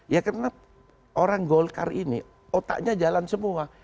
ya karena orang golkar ini otaknya jalan semua